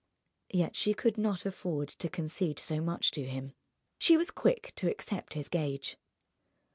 Yet she could not afford to concede so much to him. She was quick to accept his gage.